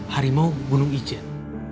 harimau gunung ijen